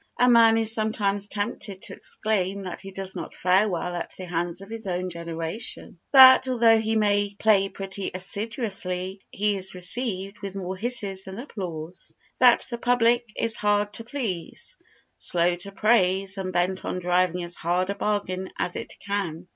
A man is sometimes tempted to exclaim that he does not fare well at the hands of his own generation; that, although he may play pretty assiduously, he is received with more hisses than applause; that the public is hard to please, slow to praise, and bent on driving as hard a bargain as it can.